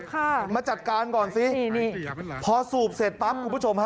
ค่ะมาจัดการก่อนสินี่นี่พอสูบเสร็จปั๊บคุณผู้ชมฮะ